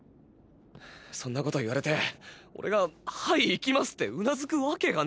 そんなこと言われてオレが「はい行きます」ってうなずくわけがねぇだろ。